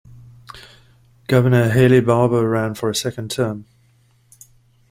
Governor Haley Barbour ran for a second term.